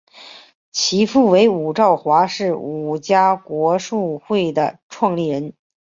其父为伍绍华是伍家国术会的创立人。